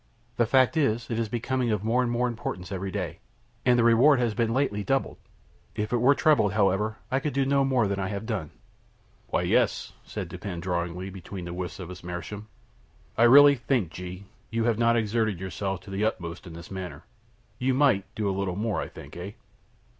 The fact is, it is becoming of more and more importance every day; and the reward has been lately doubled. If it were trebled, however, I could do no more than I have done." "Why, yes," said Dupin, drawling, between the whiffs of his meerschaum, "I really think, G , you have not exerted yourself to the utmost in this matter. You might do a little more, I think; eh?"